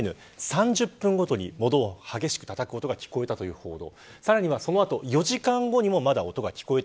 ３０分ごとに物を激しくたたく音が聞こえたという報道。